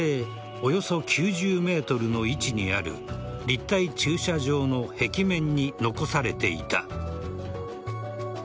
およそ９０ｍの位置にある立体駐車場の壁面に残されていた。